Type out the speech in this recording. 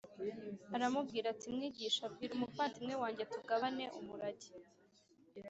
aramubwira ati Mwigisha bwira umuvandimwe wanjye tugabane umurage